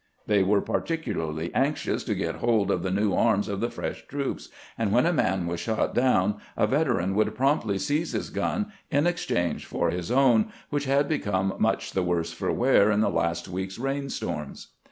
They were particularly anxious to get hold of the new arms of the fresh troops, and when a man was shot down a veteran would promptly seize his gun in exchange for his own, which had become much the worse for wear in the last week's rain storms.